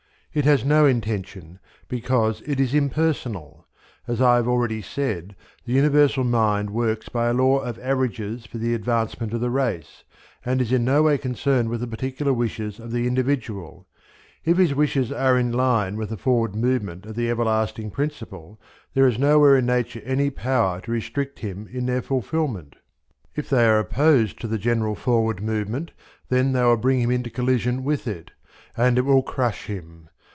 It has no intention, because it is impersonal. As I have already said, the Universal mind works by a law of averages for the advancement of the race, and is in no way concerned with the particular wishes of the individual. If his wishes are in line with the forward movement of the everlasting principle, there is nowhere in Nature any power to restrict him in their fulfilment. If they are opposed to the general forward movement, then they will bring him into collision with it, and it will crush him.